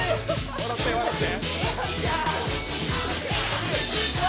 笑って、笑って。